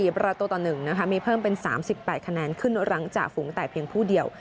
ประตูต่อ๑นะคะมีเพิ่มเป็น๓๘คะแนนขึ้นหลังจากฝูงแต่เพียงผู้เดียว